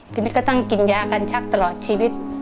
ทีนี้ก็ต้องกินยากันชักตลอดชีวิต